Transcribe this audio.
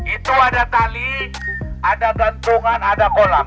itu ada tali ada gantungan ada kolam